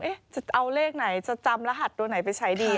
จะเอาเลขไหนจะจำรหัสตัวไหนไปใช้ดี